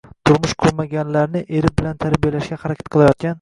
Turmush qurmaganlarni eri bilan tarbiyalashga harakat qilayotgan